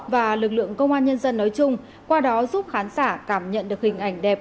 và lực lượng công an nhân dân nói chung qua đó giúp khán giả cảm nhận được hình ảnh đẹp